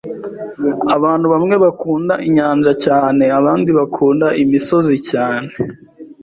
Abantu bamwe bakunda inyanja cyane, abandi bakunda imisozi cyane.